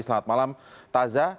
selamat malam tazah